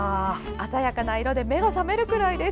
鮮やかな色で目が覚めるくらいです。